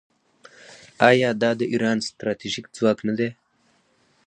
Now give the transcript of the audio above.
آیا دا د ایران ستراتیژیک ځواک نه دی؟